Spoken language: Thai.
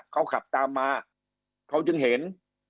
เขาขับตามมาเขาจึงเห็น